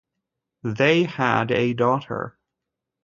They had a daughter.